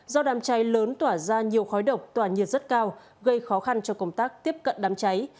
do đám cháy lớn tỏa ra nhiều khói độc tỏa nhiệt rất cao gây khó khăn cho công tác tiếp cận đám cháy